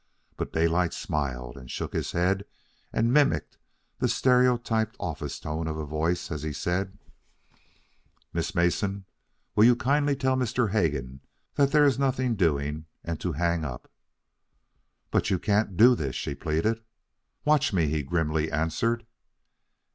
But Daylight smiled, and shook his head, and mimicked the stereotyped office tone of voice as he said: "Miss Mason, you will kindly tell Mr. Hegan that there is nothing doing and to hang up." "But you can't do this," she pleaded. "Watch me," he grimly answered.